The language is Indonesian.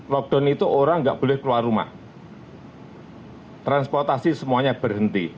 lockdown itu orang nggak boleh keluar rumah transportasi semuanya berhenti